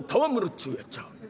っちゅうやっちゃ」。